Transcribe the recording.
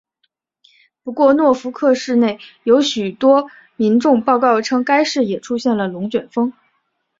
不过诺福克市内有许多民众报告称该市也出现了龙卷风。